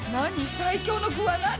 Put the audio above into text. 最強の具は何？